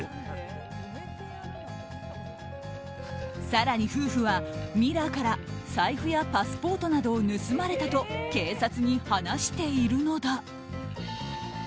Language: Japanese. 更に、夫婦はミラーから財布やパスポートなどを盗まれたと警察に話しているのだ。